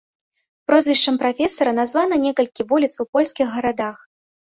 Прозвішчам прафесара названа некалькі вуліц у польскіх гарадах.